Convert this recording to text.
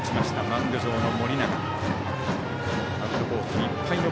マウンド上の盛永。